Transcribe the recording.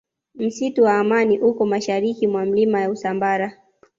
msitu wa amani uko mashariki mwa milima ya usambara